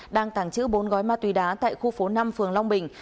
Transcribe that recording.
đang tàng trữ bốn gói ma túy đá tại khu phố năm phường long bình